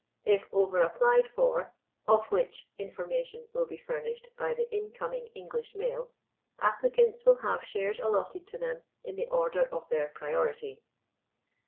If over applied for—of which information will be furnished by the incoming English mail—applicants will have shares allotted to them in the order of their priority."